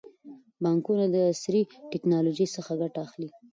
بانکونه د عصري ټکنالوژۍ څخه ګټه اخلي.